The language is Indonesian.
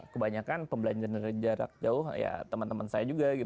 kebanyakan pembelajaran dari jarak jauh ya teman teman saya juga